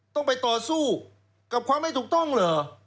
ต้องไปต่อสู้กับความไม่ถูกต้องเหรอ